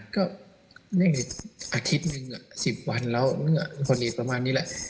ก็นี่อาทิตย์หนึ่ง๑๐วันแล้วพอดีประมาณนี้แหละ